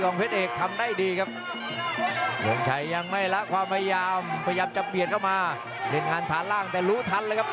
โอเคครับป้องแย่ออกมาอีกครั้งครับ